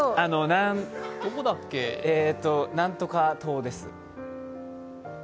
何とか島です。